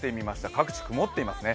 各地曇っていますね。